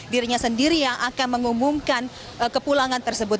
dirinya sendiri yang akan mengumumkan kepulangan tersebut